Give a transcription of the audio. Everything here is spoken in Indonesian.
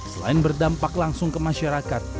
selain berdampak langsung ke masyarakat